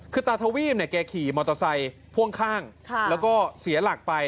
คือตาทวีปเนี่ยแกขี่มอเตอร์ไซค์พ่วงข้างแล้วก็เสียหลักไป